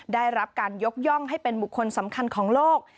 ได้รับการยกย่องให้เป็นบุคคลสำคัญของโลก